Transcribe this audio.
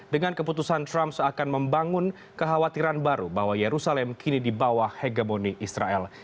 dengan keputusan trump seakan membangun kekhawatiran baru bahwa yerusalem kini di bawah hegemoni israel